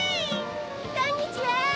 こんにちは！